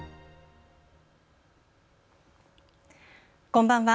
こんばんは。